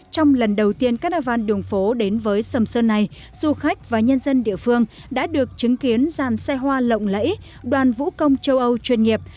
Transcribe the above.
trong lần đầu tiên carnival đường phố đến với sầm sơn này du khách và nhân dân địa phương đã được chứng kiến dàn xe hoa lộng lẫy đoàn vũ công châu âu chuyên nghiệp